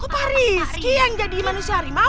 kok pak rizky yang jadi manusia harimau